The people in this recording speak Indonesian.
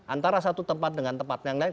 antara satu tempat dengan tempat yang lain